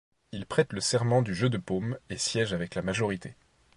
Il prête le serment du jeu de paume et siège avec la majorité.